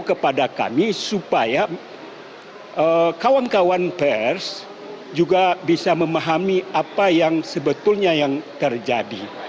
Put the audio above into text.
kepada kami supaya kawan kawan pers juga bisa memahami apa yang sebetulnya yang terjadi